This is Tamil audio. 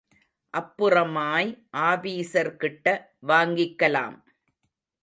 அப்புறமாய் ஆபீஸர்கிட்ட வாங்கிக்கலாம்.